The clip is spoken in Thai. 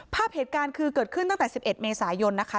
ภาพเหตุการณ์คือเกิดขึ้นตั้งแต่๑๑เมษายนนะคะ